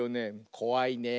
こわいねえ。